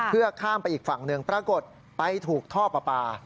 เพื่อข้ามไปอีกฝั่งหนึ่งปรากฏไปถูกท่อปลาปลา